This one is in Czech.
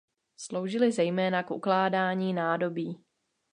Sloužily zejména k ukládání nádobí.